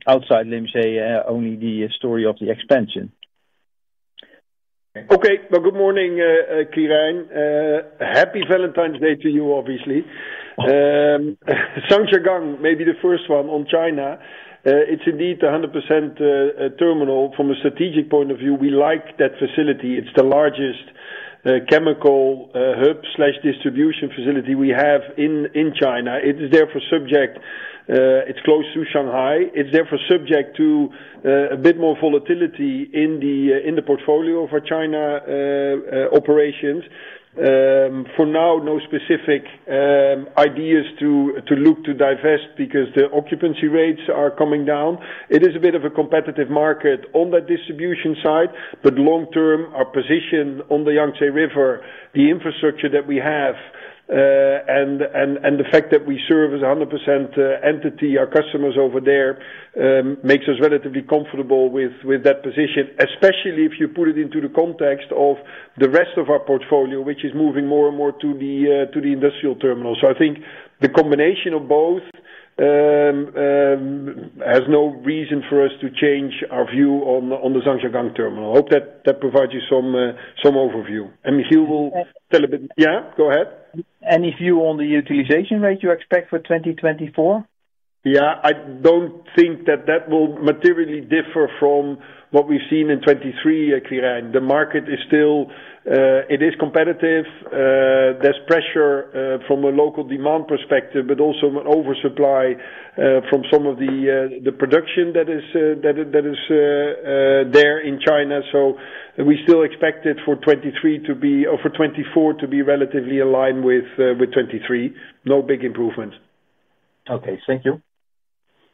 Outside Malaysia, only the story of the expansion. Okay. Well, good morning, Quirijn. Happy Valentine's Day to you, obviously. Zhangjiagang, maybe the first one. On China, it's indeed a 100% terminal. From a strategic point of view, we like that facility. It's the largest chemical hub/distribution facility we have in China. It is therefore subject. It's close to Shanghai. It's therefore subject to a bit more volatility in the portfolio for China operations. For now, no specific ideas to look to divest because the occupancy rates are coming down. It is a bit of a competitive market on that distribution side, but long term, our position on the Yangtze River, the infrastructure that we have, and the fact that we serve as a 100% entity, our customers over there makes us relatively comfortable with that position, especially if you put it into the context of the rest of our portfolio, which is moving more and more to the Industrial terminal. So I think the combination of both has no reason for us to change our view on the Zhangjiagang terminal. I hope that provides you some overview. And Michiel will tell a bit, yeah. Go ahead. Any view on the utilization rate you expect for 2024? Yeah. I don't think that will materially differ from what we've seen in 2023, Quirijn. The market is still competitive. There's pressure from a local demand perspective, but also an oversupply from some of the production that is there in China. So we still expect it for 2023 to be or for 2024 to be relatively aligned with 2023. No big improvements. Okay. Thank you.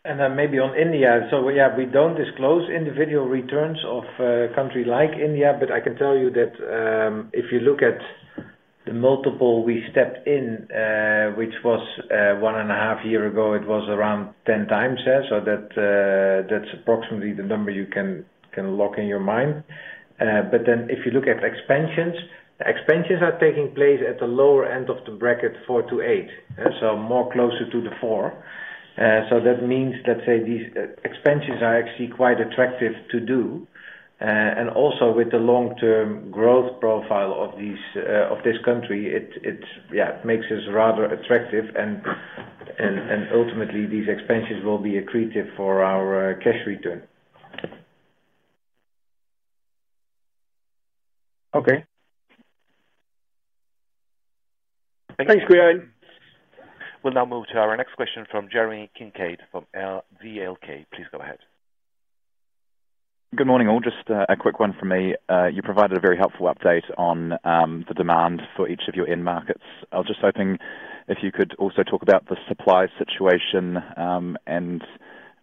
And then maybe on India. So yeah, we don't disclose individual returns of a country like India, but I can tell you that if you look at the multiple we stepped in, which was one and half years ago, it was around 10x, so that's approximately the number you can lock in your mind. But then if you look at expansions, expansions are taking place at the lower end of the bracket four to eight, so more closer to the four. So that means, let's say, these expansions are actually quite attractive to do. And also, with the long-term growth profile of this country, yeah, it makes us rather attractive. And ultimately, these expansions will be accretive for our cash return. Okay. Thanks. Thanks, Quirijn. We'll now move to our next question from Jeremy Kincaid from VLK. Please go ahead. Good morning, all. Just a quick one from me. You provided a very helpful update on the demand for each of your end markets. I was just hoping if you could also talk about the supply situation and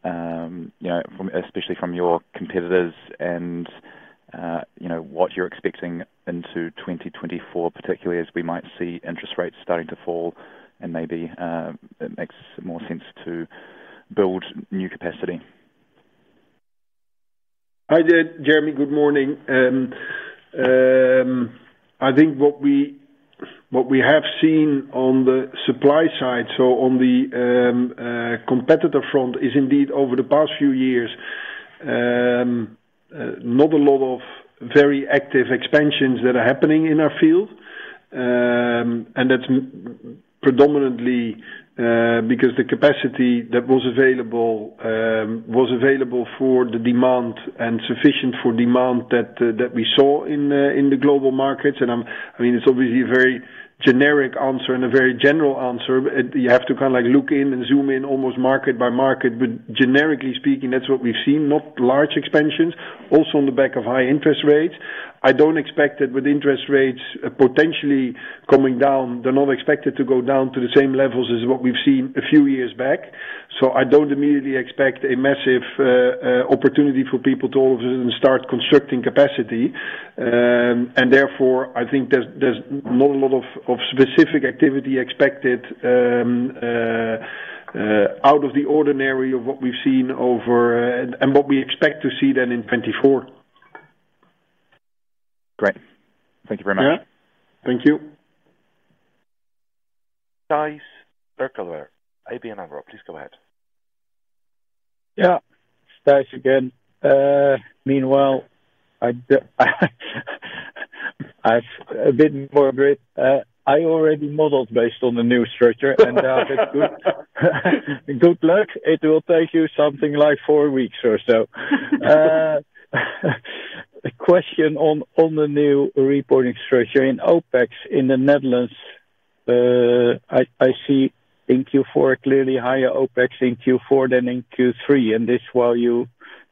especially from your competitors and what you're expecting into 2024, particularly as we might see interest rates starting to fall and maybe it makes more sense to build new capacity. Hi there, Jeremy. Good morning. I think what we have seen on the supply side, so on the competitor front, is indeed, over the past few years, not a lot of very active expansions that are happening in our field. That's predominantly because the capacity that was available was available for the demand and sufficient for demand that we saw in the global markets. I mean, it's obviously a very generic answer and a very general answer. You have to kind of look in and zoom in almost market by market. But generically speaking, that's what we've seen, not large expansions, also on the back of high interest rates. I don't expect that with interest rates potentially coming down, they're not expected to go down to the same levels as what we've seen a few years back. So I don't immediately expect a massive opportunity for people to all of a sudden start constructing capacity. And therefore, I think there's not a lot of specific activity expected out of the ordinary of what we've seen over and what we expect to see then in 2024. Great. Thank you very much. Yeah. Thank you. Thijs Berkelder. ABN AMRO, please go ahead. Yeah. Thijs again. Meanwhile, I've a bit more grit. I already modeled based on the new structure, and that's good. Good luck. It will take you something like four weeks or so. A question on the new reporting structure. In OPEX in the Netherlands, I see in Q4 a clearly higher OPEX in Q4 than in Q3. And this, while you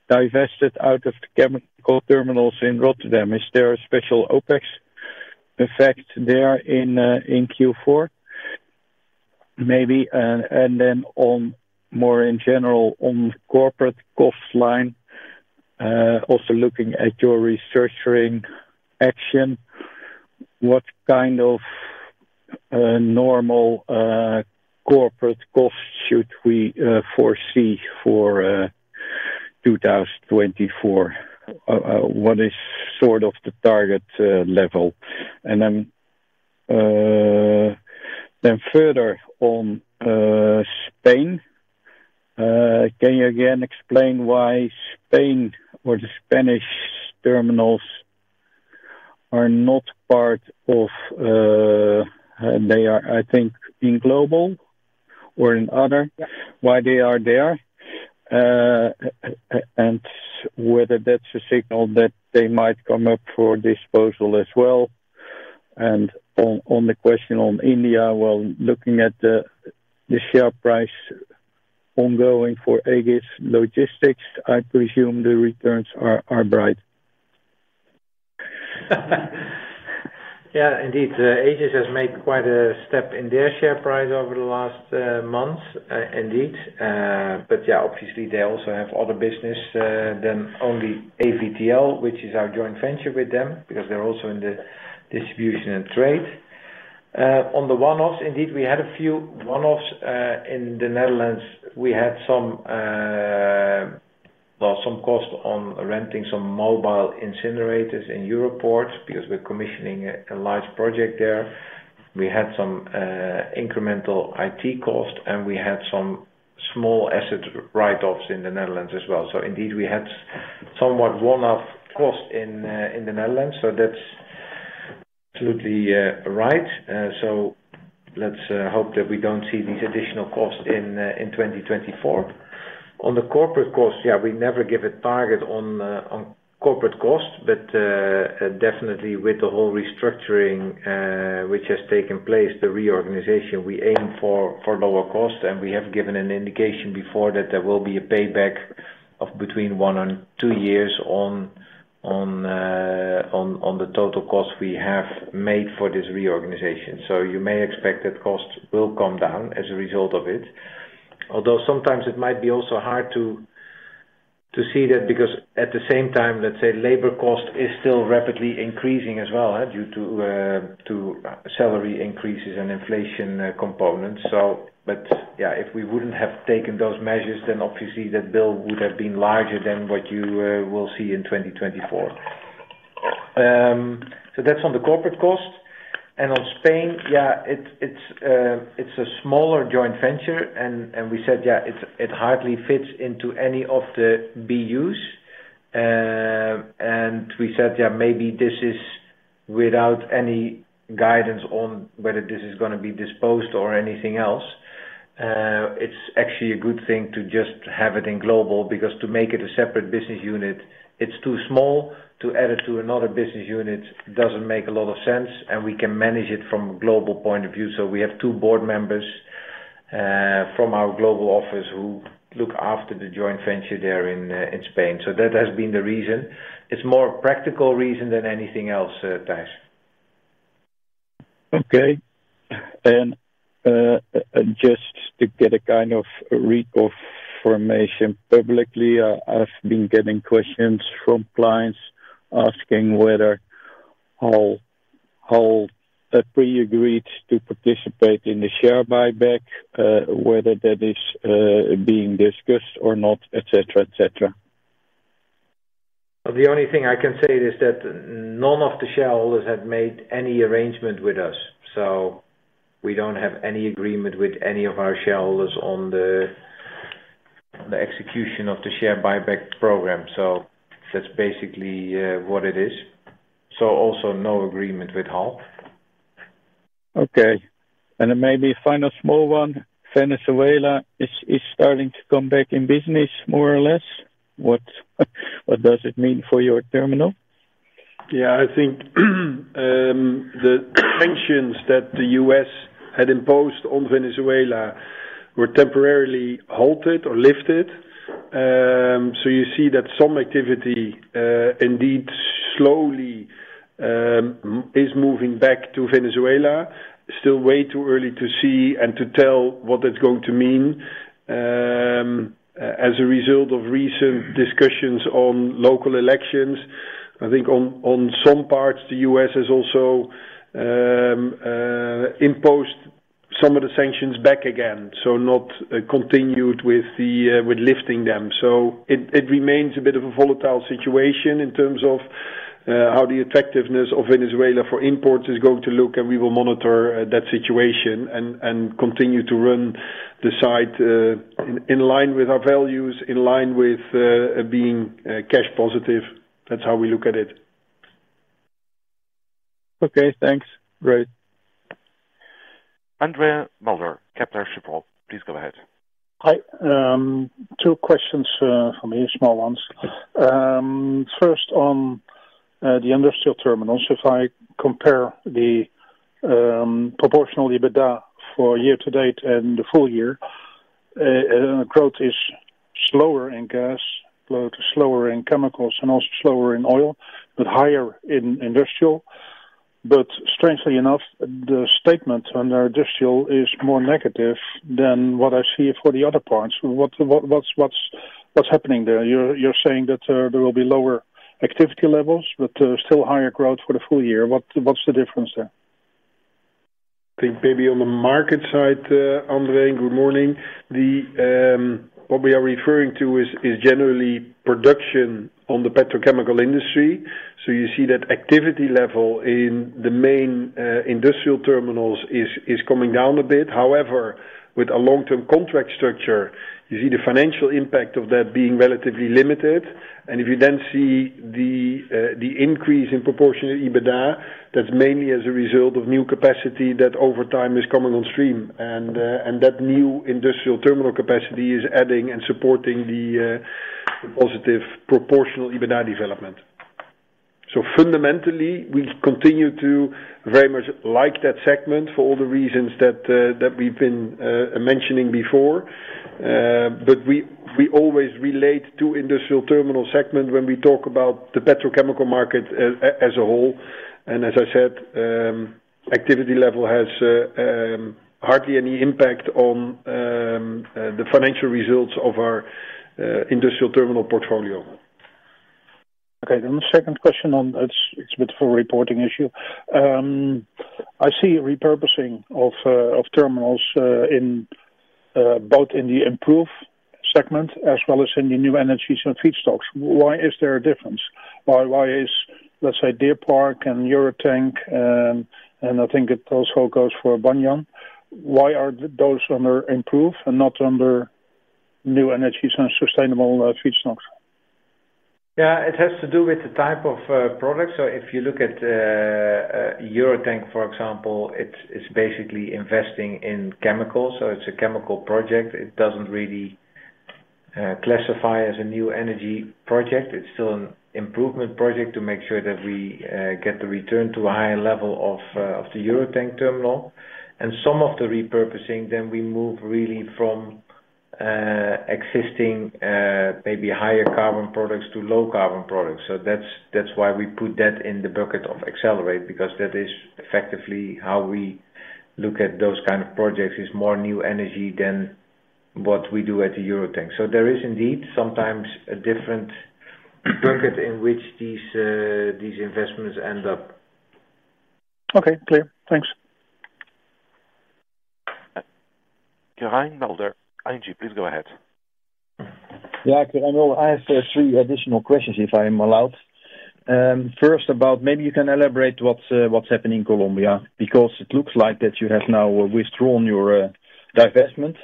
divested out of the chemical terminals in Rotterdam, is there a special OPEX effect there in Q4? And then more in general on corporate cost line, also looking at your restructuring action, what kind of normal corporate cost should we foresee for 2024? What is sort of the target level? And then further on Spain, can you again explain why Spain or the Spanish terminals are not part of? They are, I think, in global or in other. Why they are there and whether that's a signal that they might come up for disposal as well? And on the question on India, well, looking at the share price ongoing for Aegis Logistics, I presume the returns are bright. Yeah. Indeed, Aegis has made quite a step in their share price over the last months, indeed. But yeah, obviously, they also have other business than only AVTL, which is our joint venture with them because they're also in the distribution and trade. On the one-offs, indeed, we had a few one-offs in the Netherlands. We had some cost on renting some mobile incinerators in Europoort because we're commissioning a large project there. We had some incremental IT cost, and we had some small asset write-offs in the Netherlands as well. So indeed, we had somewhat one-off cost in the Netherlands. So that's absolutely right. So let's hope that we don't see these additional costs in 2024. On the corporate cost, yeah, we never give a target on corporate cost. But definitely, with the whole restructuring, which has taken place, the reorganization, we aim for lower cost. And we have given an indication before that there will be a payback of between one and two years on the total cost we have made for this reorganization. So you may expect that cost will come down as a result of it, although sometimes it might be also hard to see that because at the same time, let's say, labor cost is still rapidly increasing as well due to salary increases and inflation components. But yeah, if we wouldn't have taken those measures, then obviously, that bill would have been larger than what you will see in 2024. So that's on the corporate cost. And on Spain, yeah, it's a smaller joint venture. And we said, yeah, it hardly fits into any of the BUs. And we said, yeah, maybe this is without any guidance on whether this is going to be disposed or anything else. It's actually a good thing to just have it in global because to make it a separate business unit, it's too small. To add it to another business unit doesn't make a lot of sense. We can manage it from a global point of view. So we have two board members from our global office who look after the joint venture there in Spain. So that has been the reason. It's more a practical reason than anything else, Thijs. Okay. And just to get a kind of reinformation publicly, I've been getting questions from clients asking whether HAL pre-agreed to participate in the share buyback, whether that is being discussed or not, etc., etc. The only thing I can say is that none of the shareholders have made any arrangement with us. So we don't have any agreement with any of our shareholders on the execution of the share buyback program. So that's basically what it is. So also, no agreement with HAL. Okay. And maybe final small one. Venezuela is starting to come back in business more or less. What does it mean for your terminal? Yeah. I think the sanctions that the U.S. had imposed on Venezuela were temporarily halted or lifted. So you see that some activity indeed slowly is moving back to Venezuela. Still way too early to see and to tell what that's going to mean. As a result of recent discussions on local elections, I think on some parts, the U.S. has also imposed some of the sanctions back again, so not continued with lifting them. So it remains a bit of a volatile situation in terms of how the effectiveness of Venezuela for imports is going to look. And we will monitor that situation and continue to run the site in line with our values, in line with being cash positive. That's how we look at it. Okay. Thanks. Great. André Mulder, Kepler Cheuvreux, please go ahead. Hi. Two questions for me, small ones. First, on the Industrial Terminals, if I compare the proportional EBITDA for year-to-date and the full-year, growth is slower in gas, slower in chemicals, and also slower in oil, but higher in Industrial. But strangely enough, the statement under Industrial is more negative than what I see for the other parts. What's happening there? You're saying that there will be lower activity levels but still higher growth for the full-year. What's the difference there? I think maybe on the market side, André and good morning, what we are referring to is generally production on the petrochemical industry. So you see that activity level in the main Industrial Terminals is coming down a bit. However, with a long-term contract structure, you see the financial impact of that being relatively limited. If you then see the increase in proportional EBITDA, that's mainly as a result of new capacity that over time is coming on stream. And that new Industrial terminal capacity is adding and supporting the positive proportional EBITDA development. So fundamentally, we continue to very much like that segment for all the reasons that we've been mentioning before. But we always relate to Industrial terminal segment when we talk about the petrochemical market as a whole. And as I said, activity level has hardly any impact on the financial results of our Industrial terminal portfolio. Okay. Then the second question: it's a bit of a reporting issue. I see repurposing of terminals both in the Industrial segment as well as in the New Energies and Feedstocks. Why is there a difference? Why is, let's say, Deer Park and Eurotank and I think it also goes for Banyan, why are those under improved and not under New Energies and Sustainable Feedstocks? Yeah. It has to do with the type of product. So if you look at Eurotank, for example, it's basically investing in chemicals. So it's a chemical project. It doesn't really classify as a new energy project. It's still an improvement project to make sure that we get the return to a higher level of the Eurotank terminal. And some of the repurposing, then we move really from existing maybe higher-carbon products to low-carbon products. So that's why we put that in the bucket of accelerate because that is effectively how we look at those kind of projects. It's more new energy than what we do at the Eurotank. So there is indeed sometimes a different bucket in which these investments end up. Okay. Clear. Thanks. Quirijn Mulder, ING, please go ahead. Yeah. Quirijn Mulder, I have three additional questions if I'm allowed. First, maybe you can elaborate what's happening in Colombia because it looks like that you have now withdrawn your divestment.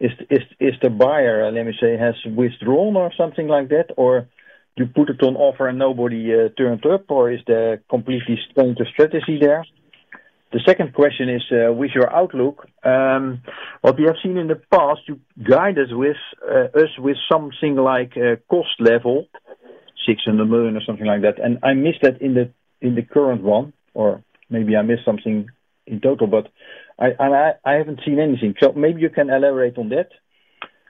Is the buyer, let me say, has withdrawn or something like that, or you put it on offer and nobody turned up, or is there completely strange strategy there? The second question is with your outlook. What we have seen in the past, you guide us with something like cost level, 600 million or something like that. And I missed that in the current one, or maybe I missed something in total, but I haven't seen anything. So maybe you can elaborate on that.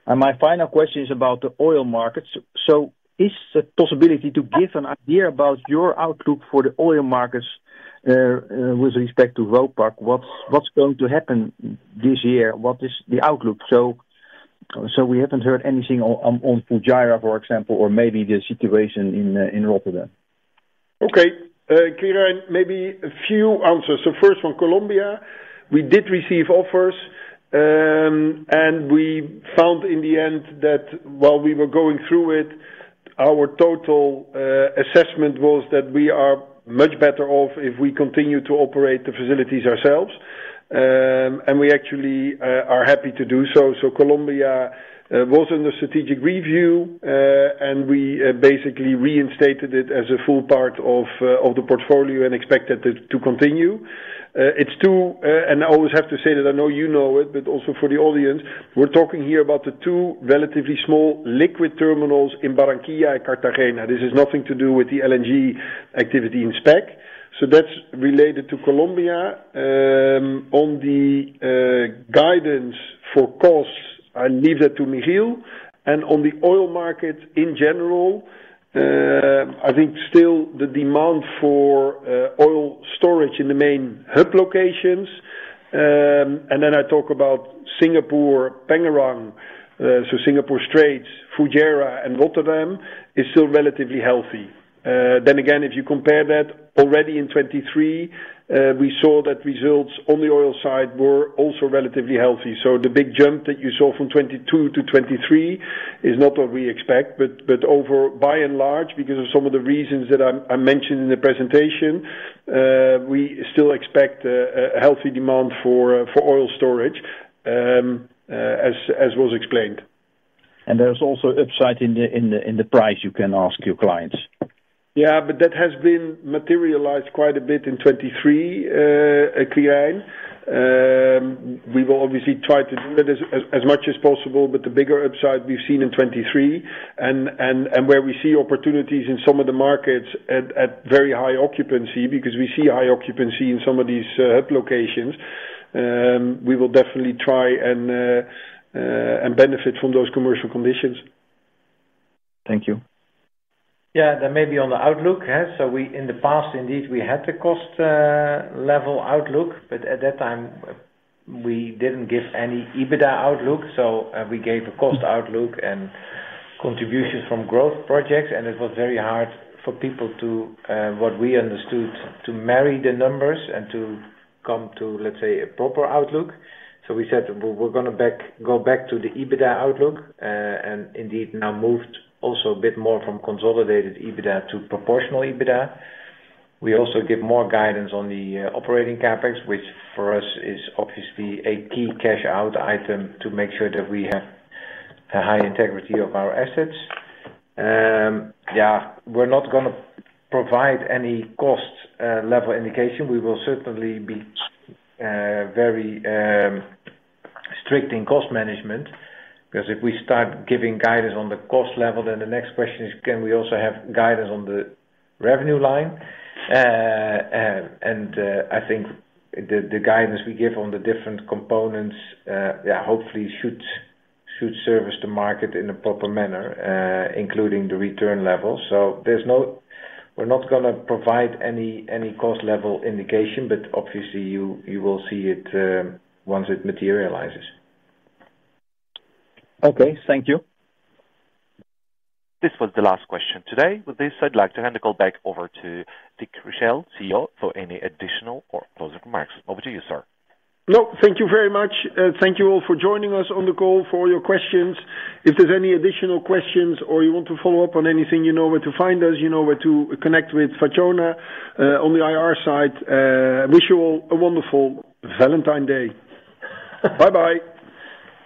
And my final question is about the oil markets. So is the possibility to give an idea about your outlook for the oil markets with respect to Vopak, what's going to happen this year? What is the outlook? So we haven't heard anything on Fujairah, for example, or maybe the situation in Rotterdam. Okay. Quirijn, maybe a few answers. So first, on Colombia, we did receive offers. And we found in the end that while we were going through it, our total assessment was that we are much better off if we continue to operate the facilities ourselves. And we actually are happy to do so. So Colombia was under strategic review, and we basically reinstated it as a full part of the portfolio and expect that to continue. I always have to say that I know you know it, but also for the audience, we're talking here about the two relatively small liquid terminals in Barranquilla and Cartagena. This has nothing to do with the LNG activity in SPEC. So that's related to Colombia. On the guidance for costs, I leave that to Michiel. And on the oil market in general, I think still the demand for oil storage in the main hub locations and then I talk about Singapore, Pengerang, so Singapore Straits, Fujairah, and Rotterdam is still relatively healthy. Then again, if you compare that, already in 2023, we saw that results on the oil side were also relatively healthy. So the big jump that you saw from 2022 to 2023 is not what we expect. But by and large, because of some of the reasons that I mentioned in the presentation, we still expect a healthy demand for oil storage as was explained. And there's also upside in the price you can ask your clients. Yeah. But that has been materialized quite a bit in 2023, Quirijn. We will obviously try to do that as much as possible. But the bigger upside we've seen in 2023 and where we see opportunities in some of the markets at very high occupancy because we see high occupancy in some of these hub locations, we will definitely try and benefit from those commercial conditions. Thank you. Yeah. Then maybe on the outlook, so in the past, indeed, we had the cost level outlook. But at that time, we didn't give any EBITDA outlook. So we gave a cost outlook and contributions from growth projects. It was very hard for people to, what we understood, to marry the numbers and to come to, let's say, a proper outlook. So we said, "We're going to go back to the EBITDA outlook and indeed now moved also a bit more from consolidated EBITDA to proportional EBITDA." We also give more guidance on the operating CapEx, which for us is obviously a key cash-out item to make sure that we have a high integrity of our assets. Yeah. We're not going to provide any cost level indication. We will certainly be very strict in cost management because if we start giving guidance on the cost level, then the next question is, "Can we also have guidance on the revenue line?" And I think the guidance we give on the different components, yeah, hopefully should service the market in a proper manner, including the return level. We're not going to provide any cost level indication. But obviously, you will see it once it materializes. Okay. Thank you. This was the last question today. With this, I'd like to hand the call back over to Dick Richelle, CEO, for any additional or closing remarks. Over to you, sir. No. Thank you very much. Thank you all for joining us on the call, for your questions. If there's any additional questions or you want to follow up on anything, you know where to find us. You know where to connect with Fatjona on the IR side. Wish you all a wonderful Valentine's Day. Bye-bye.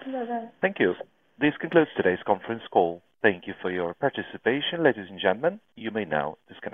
Bye-bye. Thank you. This concludes today's conference call. Thank you for your participation, ladies and gentlemen. You may now disconnect.